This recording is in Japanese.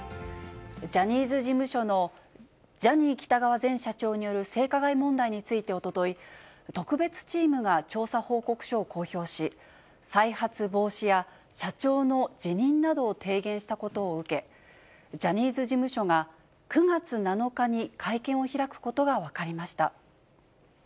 ジャニーズ事務所のジャニー喜多川前社長による性加害問題についておととい、特別チームが調査報告書を公表し、再発防止や社長の辞任などを提言したことを受け、ジャニーズ事務所が９月７日に会見を開くことが分かりました。